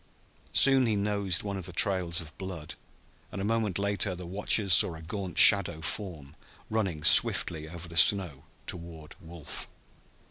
Soon he nosed one of the trails of blood, and a moment later the watchers saw a gaunt shadow form running swiftly over the snow toward Wolf.